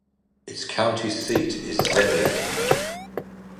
Its county seat is Xenia.